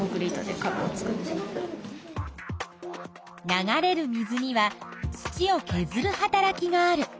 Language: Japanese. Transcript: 流れる水には土をけずるはたらきがある。